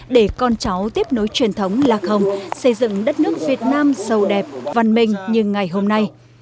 để con cháu tiếp nối truyền thống là không xây dựng đất nước việt nam sâu đẹp văn minh như ngày hôm nay